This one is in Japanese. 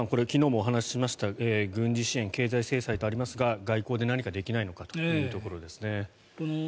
昨日もお話ししました軍事支援、経済制裁とありますが外交で何かできないのかというところです。